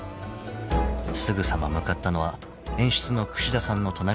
［すぐさま向かったのは演出の串田さんの隣の席］